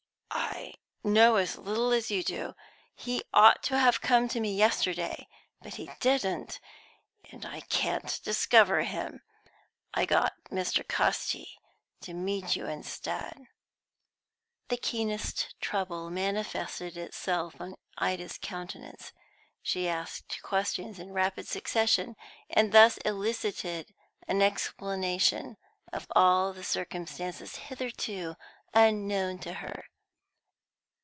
"I know as little as you do. He ought to have come to me yesterday, but he didn't, and I can't discover him. I got Mr. Casti to meet you instead." The keenest trouble manifested itself on Ida's countenance. She asked questions in rapid succession, and thus elicited an explanation of all the circumstances hitherto unknown to her.